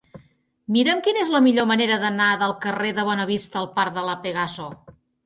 Mira'm quina és la millor manera d'anar del carrer de Bonavista al parc de La Pegaso.